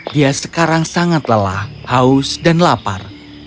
dia sekarang sangat lelah haus dan lapar